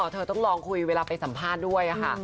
เธอต้องลองคุยเวลาไปสัมภาษณ์ด้วยค่ะ